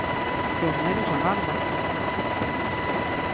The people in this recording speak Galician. Que os nenos agardan.